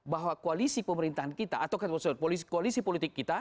bahwa koalisi pemerintahan kita atau koalisi politik kita